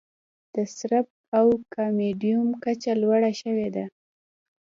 د سرب او کاډمیوم کچه لوړه شوې ده.